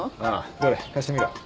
どれ貸してみろ